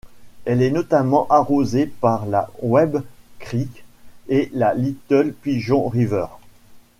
Elle est notamment arrosée par la Webb Creek et la Little Pigeon River.